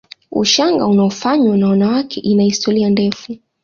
Ushanga unaofanywa na wanawake ina historia ndefu